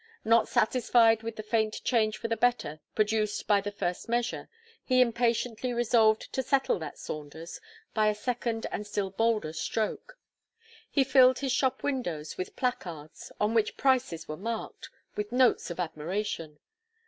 Not satisfied with the faint change for the better, produced by the first measure, he impatiently resolved "to settle that Saunders," by a second and still bolder stroke. He filled his shop windows with placards, on which prices were marked, with notes of admiration.